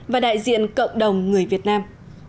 và đại diện cộng đồng người việt nam